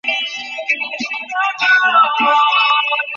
দশ সেন্ট লাগবে ওটা ব্যবহার করতে।